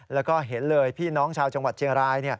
แล้วก็เห็นเลยพี่น้องชาวจังหวัดเชียงราย